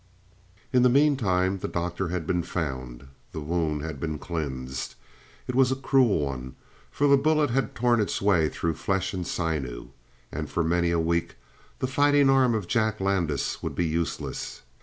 In the meantime the doctor had been found. The wound had been cleansed. It was a cruel one, for the bullet had torn its way through flesh and sinew, and for many a week the fighting arm of Jack Landis would be useless.